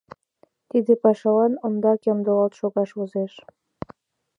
Тиде пашалан ондак ямдылалт шогаш возеш.